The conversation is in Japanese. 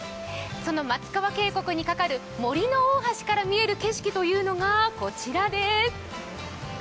その松川渓谷に架かる森の大橋から見える景色がこちらです。